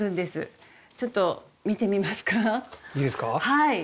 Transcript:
はい。